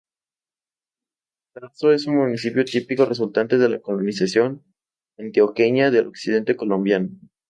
Tarso es un municipio típico resultante de la Colonización Antioqueña del occidente colombiano.